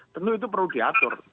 tentu itu perlu diatur